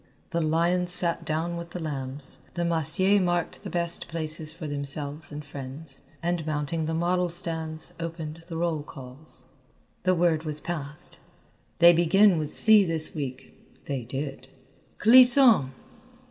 The lions sat down with the lambs, the massiers marked the best places for themselves and friends, and, mounting the model stands, opened the roll calls. The word was passed, "They begin with C this week." They did. "Clisson!"